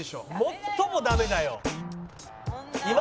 「最もダメだよ」